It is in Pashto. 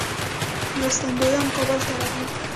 مرستندویان کابل ته راغلل.